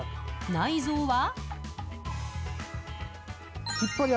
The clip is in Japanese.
内臓は？